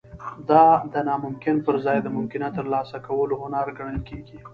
دا د ناممکن پرځای د ممکنه ترلاسه کولو هنر ګڼل کیږي